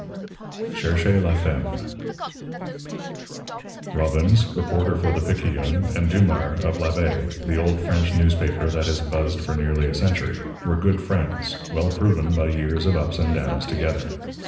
XI CHERCHEZ LA FEMME Robbins, reporter for the Picayune, and Dumars, of L'Abeille the old French newspaper that has buzzed for nearly a century were good friends, well proven by years of ups and downs together.